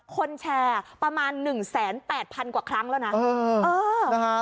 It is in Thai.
คนแชร์ประมาณหนึ่งแสนแปดพันกว่าครั้งแล้วนะ